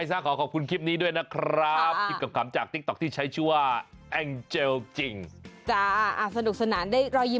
ตัวนี้ก็หันหลาย